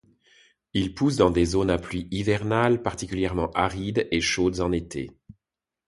Il pousse dans des zones à pluies hivernales particulièrement arides et chaudes en été.